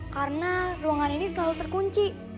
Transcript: karena ruangan ini selalu terkunci